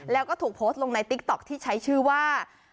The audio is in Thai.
แล้วก็ถูกโพสต์ลงในติ๊กต๊อกที่ใช้ชื่อว่า